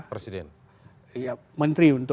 berapa dia mengetahui